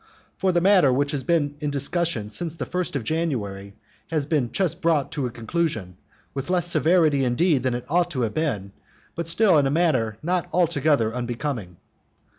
For the matter which has been in discussion ever since the first of January, has been just brought to a conclusion, with less severity indeed than it ought to have been, but still in a manner not altogether unbecoming.